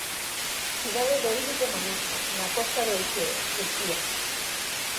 Cidade do Il de Manisa, na costa do Exeo, Turquía.